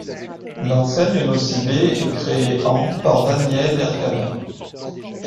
L'enseigne Nocibé est créée en par Daniel Vercamer.